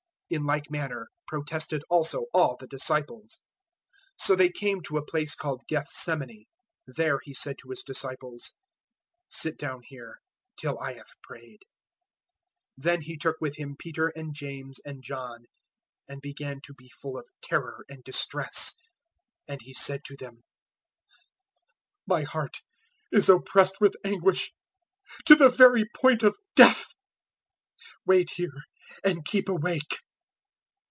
In like manner protested also all the disciples. 014:032 So they came to a place called Gethsemane. There He said to His disciples, "Sit down here till I have prayed." 014:033 Then He took with Him Peter and James and John, and began to be full of terror and distress, 014:034 and He said to them, "My heart is oppressed with anguish to the very point of death: wait here and keep awake."